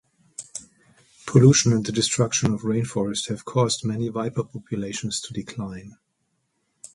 Pollution and the destruction of rainforests have caused many viper populations to decline.